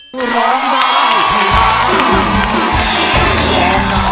ร้องได้